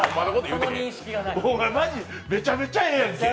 お前、マジめちゃめちゃええやんけ。